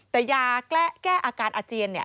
แต่ยาแก้อาการอาเจียนเนี่ย